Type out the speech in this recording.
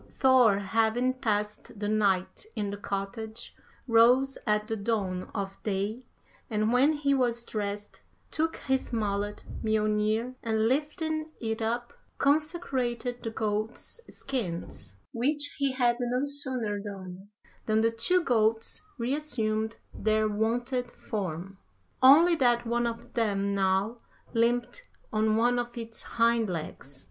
Thor having passed the night in the cottage, rose at the dawn of day, and when he was dressed took his mallet Mjolnir, and lifting it up, consecrated the goats' skins, which he had no sooner done than the two goats re assumed their wonted form, only that one of them now limped on one of its hind legs.